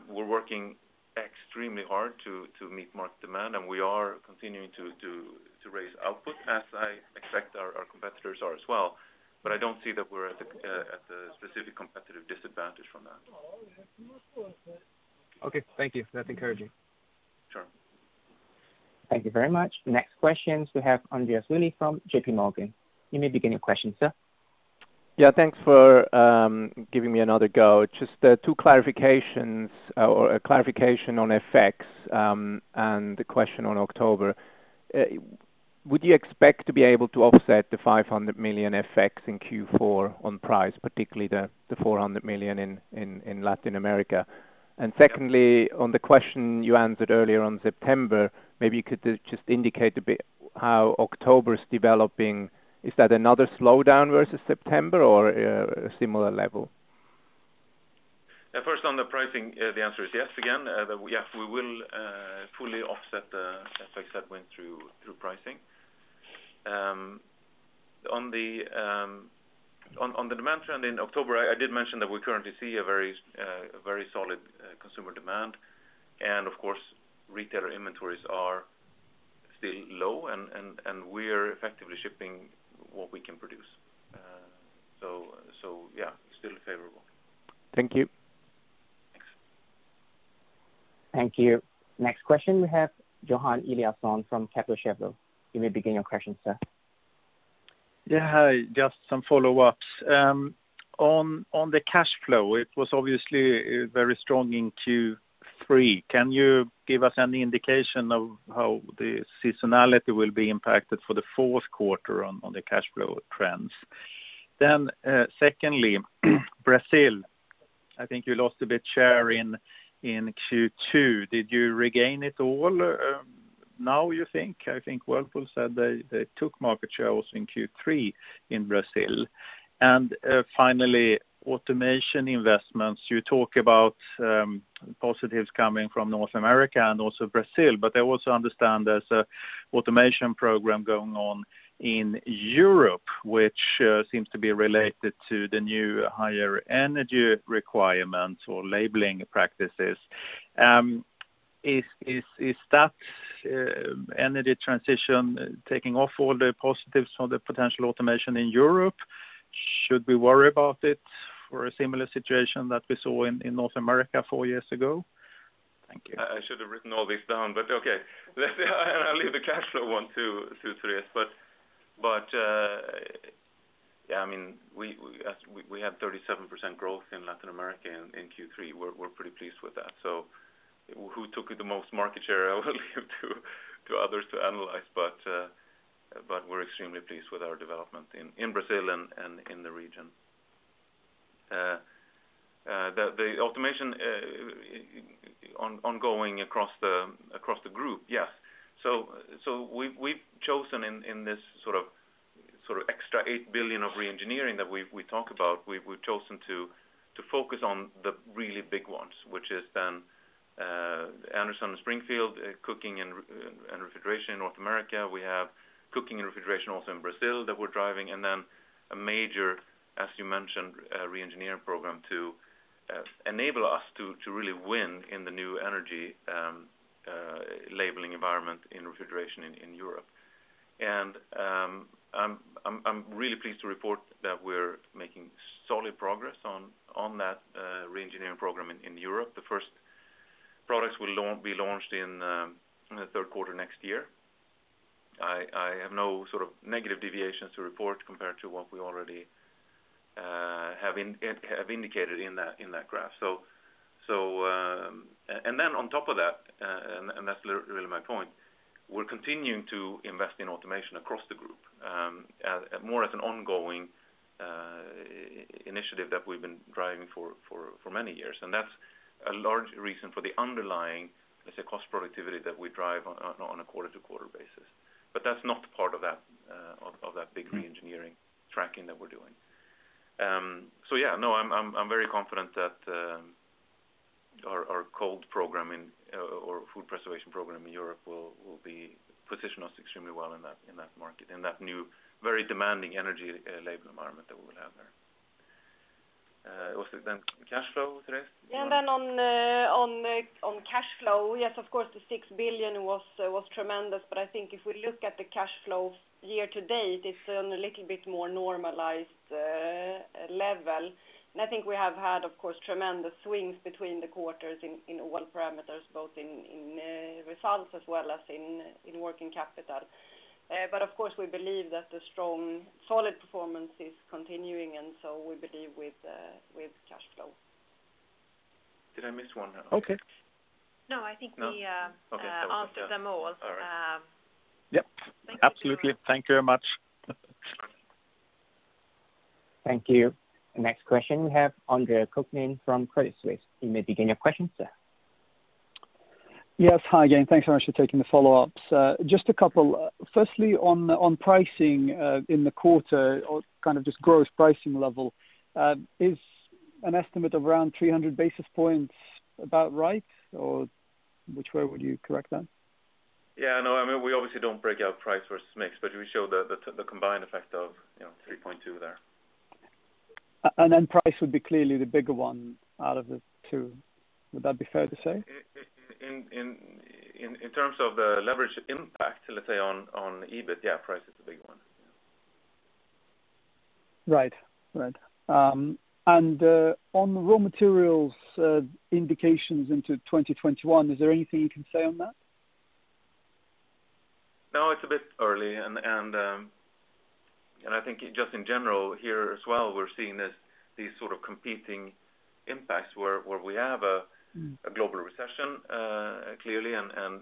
S1: we're working extremely hard to meet market demand, and we are continuing to raise output as I expect our competitors are as well. I don't see that we're at a specific competitive disadvantage from that.
S14: Okay, thank you. That's encouraging.
S1: Sure.
S4: Thank you very much. Next questions we have Andreas Willi from JPMorgan. You may begin your question, sir.
S5: Yeah, thanks for giving me another go. Just two clarifications, or a clarification on FX, and a question on October. Would you expect to be able to offset the 500 million FX in Q4 on price, particularly the 400 million in Latin America? Secondly, on the question you answered earlier on September, maybe you could just indicate a bit how October's developing. Is that another slowdown versus September or a similar level?
S1: First on the pricing, the answer is yes again. We will fully offset the FX that went through pricing. On the demand trend in October, I did mention that we currently see a very solid consumer demand. Of course, retailer inventories are still low and we are effectively shipping what we can produce. Still favorable.
S5: Thank you.
S1: Thanks.
S4: Thank you. Next question, we have Johan Eliason from Kepler Cheuvreux. You may begin your question, sir.
S6: Yeah, hi, just some follow-ups. On the cash flow, it was obviously very strong in Q3. Can you give us any indication of how the seasonality will be impacted for the fourth quarter on the cash flow trends? Secondly, Brazil. I think you lost a bit share in Q2. Did you regain it all now, you think? I think Whirlpool said they took market share also in Q3 in Brazil. Finally, automation investments. You talk about positives coming from North America and also Brazil, but I also understand there's a automation program going on in Europe, which seems to be related to the new higher energy requirements or labeling practices. Is that energy transition taking off all the positives from the potential automation in Europe? Should we worry about it for a similar situation that we saw in North America four years ago? Thank you.
S1: I should have written all this down. Okay. I'll leave the cash flow one to Therese. Yeah, we had 37% growth in Latin America in Q3. We're pretty pleased with that. Who took the most market share? I will leave to others to analyze, but we're extremely pleased with our development in Brazil and in the region. The automation ongoing across the Group. Yeah. We've chosen in this extra 8 billion of re-engineering that we talk about, we've chosen to focus on the really big ones, which has been Memphis and Springfield, cooking and refrigeration in North America. We have cooking and refrigeration also in Brazil that we're driving. A major, as you mentioned, re-engineering program to enable us to really win in the new energy labeling environment in refrigeration in Europe. I'm really pleased to report that we're making solid progress on that re-engineering program in Europe. The first products will be launched in the third quarter next year. I have no sort of negative deviations to report compared to what we already have indicated in that graph. On top of that, and that's really my point, we're continuing to invest in automation across the Group, more as an ongoing initiative that we've been driving for many years. That's a large reason for the underlying, let's say, cost productivity that we drive on a quarter-to-quarter basis. That's not part of that big re-engineering tracking that we're doing. Yeah. No, I'm very confident that our cold program or food preservation program in Europe will position us extremely well in that market, in that new, very demanding energy label environment that we will have there. Also, the cash flow, Therese?
S2: On cash flow, yes, of course, the 6 billion was tremendous. I think if we look at the cash flow year-to-date, it's on a little bit more normalized level. I think we have had, of course, tremendous swings between the quarters in all parameters, both in results as well as in working capital. Of course, we believe that the strong, solid performance is continuing, and so we believe with cash flow.
S1: Did I miss one?
S6: Okay.
S2: No, I think we-
S1: No? Okay.
S2: Answered them all.
S1: All right.
S6: Yep. Absolutely. Thank you very much.
S4: Thank you. Next question, we have Andre Kukhnin from Credit Suisse. You may begin your question, sir.
S7: Yes. Hi again. Thanks very much for taking the follow-ups. Just a couple. On pricing, in the quarter, or just gross pricing level, is an estimate of around 300 basis points about right? Which way would you correct that?
S1: Yeah, no, we obviously don't break out price versus mix, but we show the combined effect of 3.2% there.
S7: Price would be clearly the bigger one out of the two. Would that be fair to say?
S1: In terms of the leverage impact, let's say, on EBIT, yeah, price is the big one.
S7: Right. On the raw materials indications into 2021, is there anything you can say on that?
S1: No, it's a bit early and I think, just in general here as well, we're seeing these sort of competing impacts where we have a global recession clearly, and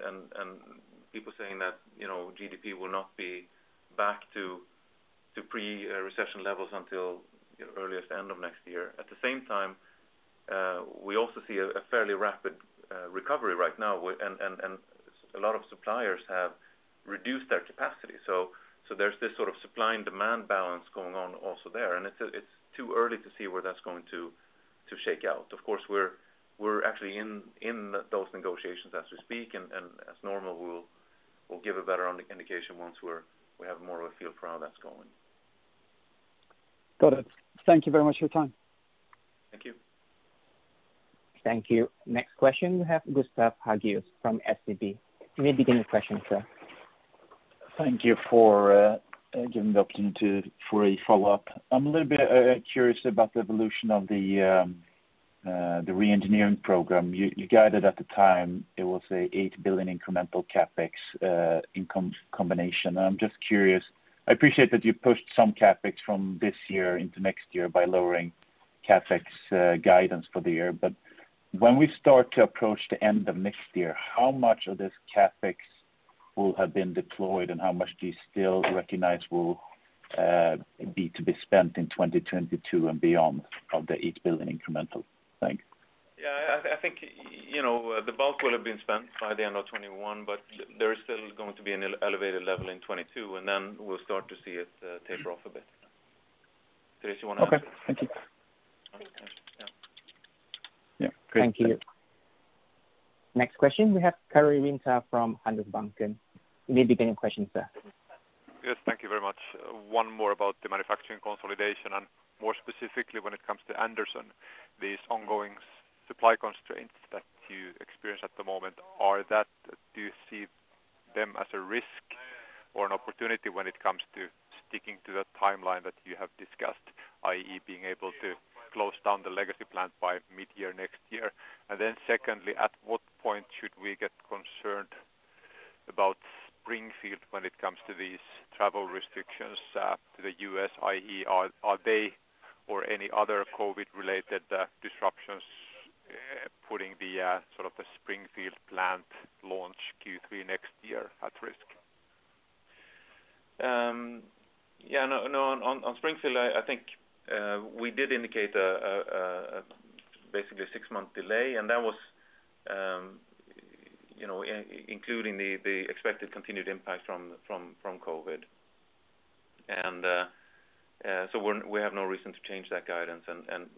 S1: people saying that GDP will not be back to pre-recession levels until earliest end of next year. At the same time, we also see a fairly rapid recovery right now, and a lot of suppliers have reduced their capacity. There's this sort of supply and demand balance going on also there, and it's too early to see where that's going to shake out. Of course, we're actually in those negotiations as we speak, and as normal, we'll give a better indication once we have more of a feel for how that's going.
S7: Got it. Thank you very much for your time.
S1: Thank you.
S4: Thank you. Next question, we have Gustav Hagéus from SEB. You may begin your question, sir.
S10: Thank you for giving the opportunity for a follow-up. I'm a little bit curious about the evolution of the re-engineering program. You guided at the time, it was a 8 billion incremental CapEx income combination, and I'm just curious. I appreciate that you pushed some CapEx from this year into next year by lowering CapEx guidance for the year. When we start to approach the end of next year, how much of this CapEx will have been deployed, and how much do you still recognize will be to be spent in 2022 and beyond, of the 8 billion incremental? Thank you.
S1: Yeah. I think the bulk will have been spent by the end of 2021, but there is still going to be an elevated level in 2022, and then we'll start to see it taper off a bit. Therese, you want to add?
S10: Okay. Thank you.
S2: Thank you.
S1: Yeah. Great.
S4: Thank you. Next question, we have Karri Rinta from Handelsbanken. You may begin your question, sir.
S13: Yes. Thank you very much. One more about the manufacturing consolidation, more specifically when it comes to Anderson, these ongoing supply constraints that you experience at the moment, do you see them as a risk or an opportunity when it comes to sticking to the timeline that you have discussed, i.e., being able to close down the legacy plant by mid-year next year? Secondly, at what point should we get concerned about Springfield when it comes to these travel restrictions to the U.S., i.e., are they or any other COVID related disruptions putting the Springfield plant launch Q3 next year at risk?
S1: No, on Springfield, I think we did indicate basically a 6-month delay, that was including the expected continued impact from COVID. We have no reason to change that guidance.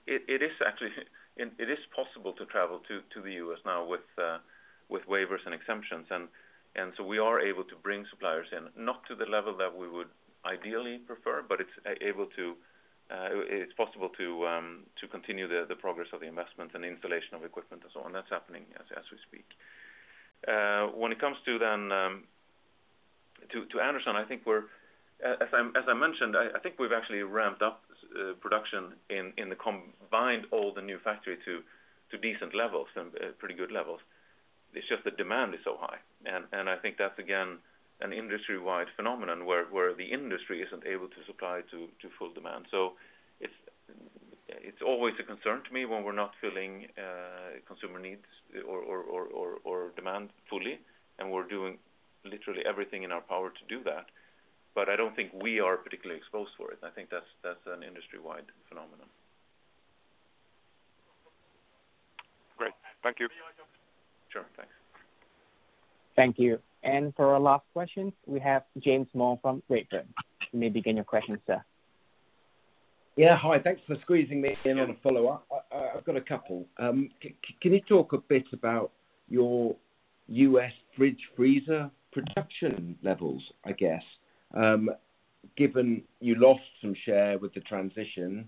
S1: It is possible to travel to the U.S. now with waivers and exemptions, we are able to bring suppliers in, not to the level that we would ideally prefer, it's possible to continue the progress of the investments and installation of equipment and so on. That's happening as we speak. When it comes to Anderson, as I mentioned, I think we've actually ramped up production in the combined old and new factory to decent levels and pretty good levels. It's just the demand is so high, I think that's again, an industry-wide phenomenon where the industry isn't able to supply to full demand. It's always a concern to me when we're not filling consumer needs or demand fully, and we're doing literally everything in our power to do that. I don't think we are particularly exposed for it. I think that's an industry-wide phenomenon.
S13: Great. Thank you.
S1: Sure. Thanks.
S4: Thank you. For our last question, we have James Moore from Redburn. You may begin your question, sir.
S12: Yeah. Hi, thanks for squeezing me in on a follow-up. I've got a couple. Can you talk a bit about your U.S. fridge freezer production levels, I guess? Given you lost some share with the transition,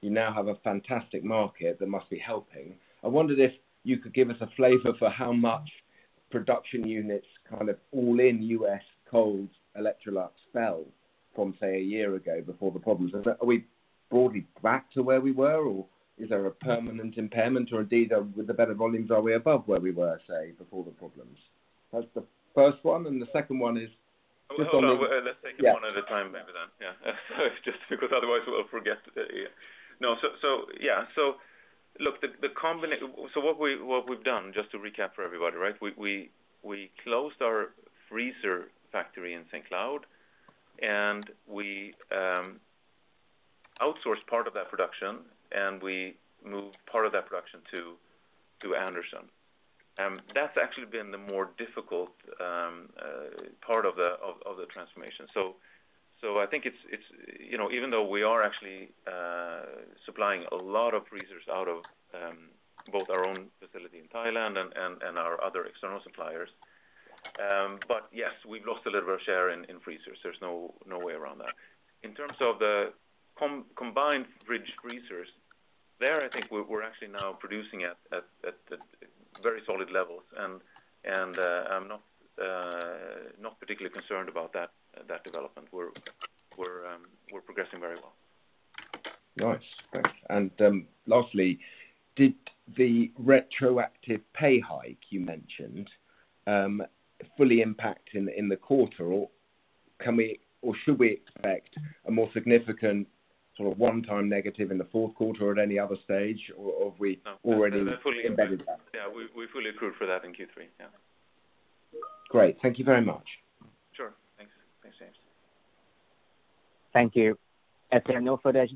S12: you now have a fantastic market that must be helping. I wondered if you could give us a flavor for how much production units, all in U.S. cold Electrolux fell from, say, a year ago before the problems. Are we broadly back to where we were, or is there a permanent impairment, or indeed, with the better volumes, are we above where we were, say, before the problems? That's the first one. The second one is just on the-
S1: Hold on. Let's take them one at a time, maybe then. Yeah. Just because otherwise we'll forget. What we've done, just to recap for everybody. We closed our freezer factory in St. Cloud, and we outsourced part of that production, and we moved part of that production to Anderson. That's actually been the more difficult part of the transformation. I think even though we are actually supplying a lot of freezers out of both our own facility in Thailand and our other external suppliers. Yes, we've lost a little of our share in freezers. There's no way around that. In terms of the combined fridge freezers, there, I think we're actually now producing at very solid levels, and I'm not particularly concerned about that development. We're progressing very well.
S12: Nice. Lastly, did the retroactive pay hike you mentioned fully impact in the quarter, or should we expect a more significant sort of one-time negative in the fourth quarter or at any other stage, or have we already embedded that?
S1: Yeah. We fully accrued for that in Q3. Yeah.
S12: Great. Thank you very much.
S1: Sure. Thanks.
S4: Thank you. As there are no further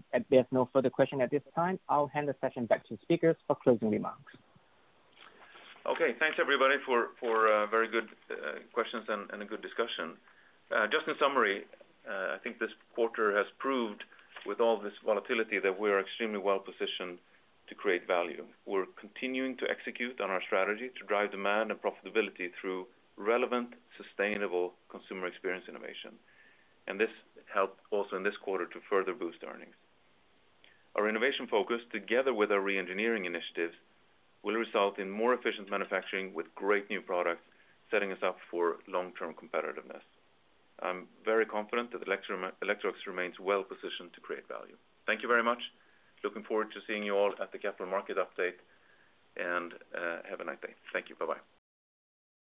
S4: questions at this time, I'll hand the session back to speakers for closing remarks.
S1: Okay. Thanks, everybody, for very good questions and a good discussion. Just in summary, I think this quarter has proved, with all this volatility, that we are extremely well-positioned to create value. We're continuing to execute on our strategy to drive demand and profitability through relevant, sustainable consumer experience innovation. This helped also in this quarter to further boost earnings. Our innovation focus, together with our re-engineering initiatives, will result in more efficient manufacturing with great new products, setting us up for long-term competitiveness. I'm very confident that Electrolux remains well-positioned to create value. Thank you very much. Looking forward to seeing you all at the Capital Market Update, and have a nice day. Thank you. Bye-bye.